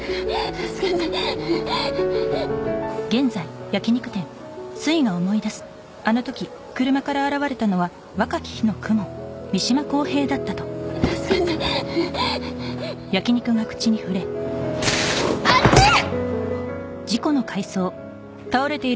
助けてあっ助けてあちっ！